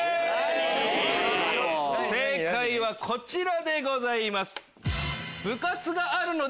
正解はこちらでございます。